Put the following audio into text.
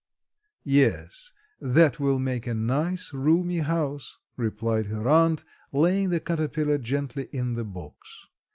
"Yes, that will make a nice, roomy house," replied her aunt, laying the caterpillar gently in the box.